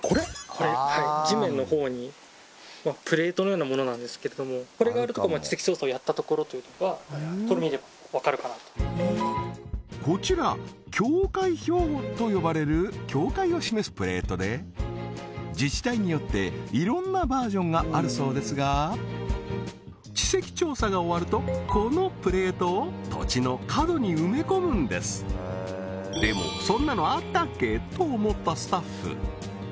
これはい地面のほうにプレートのようなものなんですけれどもこれを見ればわかるかなとこちら境界標と呼ばれる境界を示すプレートで自治体によっていろんなバージョンがあるそうですが地籍調査が終わるとこのプレートを土地の角に埋め込むんですでもそんなのあったっけ？と思ったスタッフ